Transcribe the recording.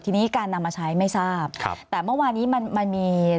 ทีนี้การนำมาใช้ไม่ทราบครับแต่เมื่อวานี้มันมันมี